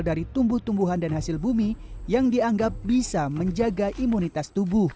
dari tumbuh tumbuhan dan hasil bumi yang dianggap bisa menjaga imunitas tubuh